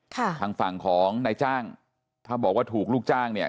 ทางฝั่งของนายจ้างถ้าบอกว่าถูกลูกจ้างเนี่ย